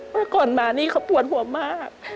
เมื่อก่อนมานี่เขาปวดหัวมาก